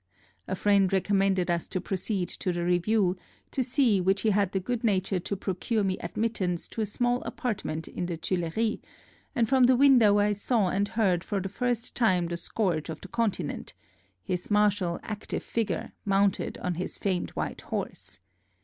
A friend recommended us to proceed to the review, to see which he had the good nature to procure me admittance to a small apartment in the Tuileries, and from the window I saw and heard for the first time the scourge of the Continent — his martial, active figure, mounted on his famed white horse.